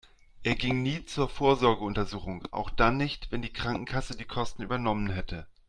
Er ging nie zur Vorsorgeuntersuchung, auch dann nicht, wenn die Krankenkasse die Kosten übernommen hätte.